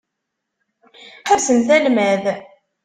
Ḥebsemt almad!